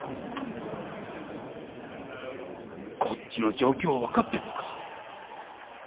こっちの状況分かってんのか？